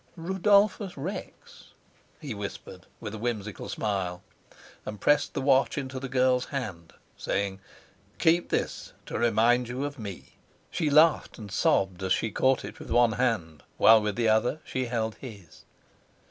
"Rudolfus Rex," he whispered with a whimsical smile, and pressed the watch into the girl's hand, saying: "Keep this to remind you of me." She laughed and sobbed as she caught it with one hand, while with the other she held his.